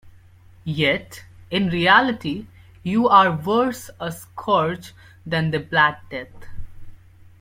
Yet, in reality, you are worse a scourge than the Black Death.